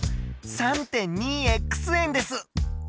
３．２円です！